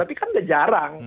tapi kan jarang